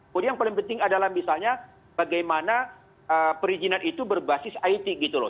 jadi yang paling penting adalah misalnya bagaimana perizinan itu berbasis it gitu loh